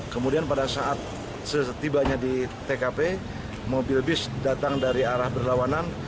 kemudian pada saat setibanya di tkp mobil bis datang dari arah berlawanan